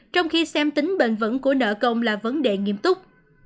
trong khi xem tính bền vững của nợ công là vấn đề nghiêm túc